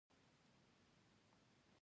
ما له پته شتې چې تاسې دواړه دا كار يادولې شې.